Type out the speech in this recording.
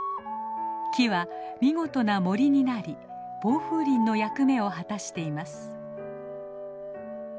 木は見事な森になり防風林の役目を果たしています。